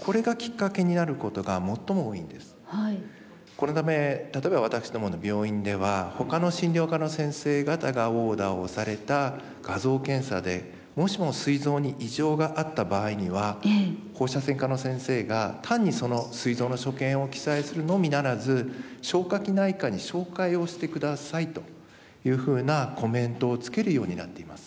このため例えば私どもの病院では他の診療科の先生方がオーダーをされた画像検査でもしもすい臓に異常があった場合には放射線科の先生が単にそのすい臓の所見を記載するのみならず消化器内科に照会をして下さいというふうなコメントをつけるようになっています。